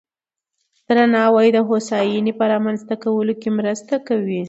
درناوی د هوساینې په رامنځته کولو کې مرسته کوي.